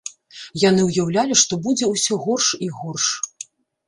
Яны ўяўлялі, што будзе ўсё горш і горш.